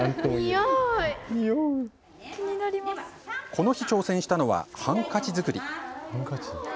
この日、挑戦したのはハンカチ作り。